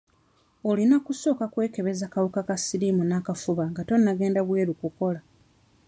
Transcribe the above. Olina kusooka kwekebeza kawuka ka siriimu n'akafuba nga tonnagenda bweru kukola.